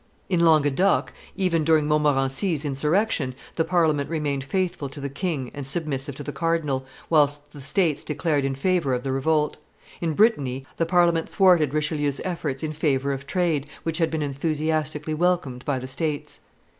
In Languedoc, even during Montmorency's insurrection, the Parliament remained faithful to the king and submissive to the cardinal, whilst the states declared in favor of the revolt: in Brittany, the Parliament thwarted Richelieu's efforts in favor of trade, which had been enthusiastically welcomed by the states.